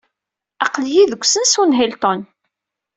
Aql-iyi deg usensu n Hilton.